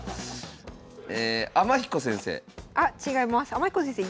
天彦先生。